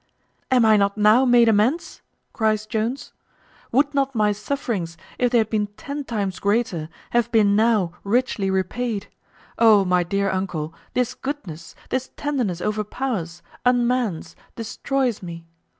"Am I not now made amends?" cries Jones. "Would not my sufferings, if they had been ten times greater, have been now richly repaid? O my dear uncle, this goodness, this tenderness overpowers, unmans, destroys me.